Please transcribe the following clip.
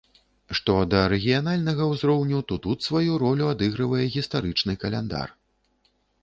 Што да рэгіянальнага ўзроўню, то тут сваю ролю адыгрывае гістарычны каляндар.